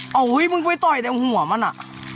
เฮ้้ยยยมึงไม่ต่อยแหล้งหัวมันอะ